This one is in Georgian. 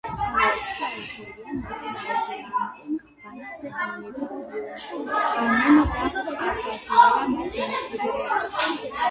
წყაროებში არაფერია ნათქვამი, თუ რამდენ ხანს იმეფა იოანემ და ჰყავდა თუ არა მას მემკვიდრე.